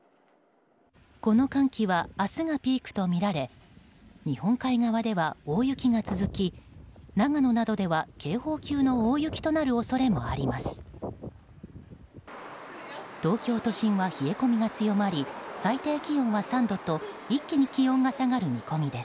この寒気は明日がピークとみられ日本海側では大雪が続き長野などでは警報級の大雪となる恐れもあります。